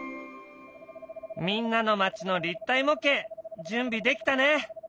みんなの町の立体模型準備できたね！